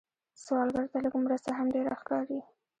سوالګر ته لږ مرسته هم ډېره ښکاري